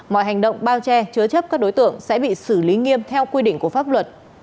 mọi hành động bao che chứa chấp các đối tượng sẽ bị xử lý nghiêm theo quy định của pháp luật